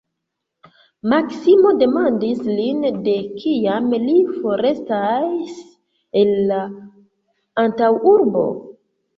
Maksimo demandis lin, de kiam li forestas el la antaŭurbo?